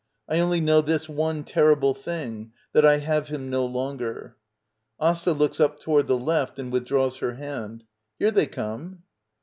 I only know this one terrible thing — that I have him no longer. AsTA. [Looks up toward the left and withdraws her hand.] Here they come.